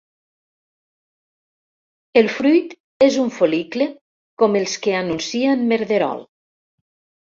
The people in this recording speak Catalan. El fruit és un fol·licle com els que anuncia en Merderol.